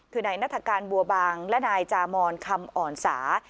คือนายนัฐกาลบัวบางและนายจามอนคำอ่อนสา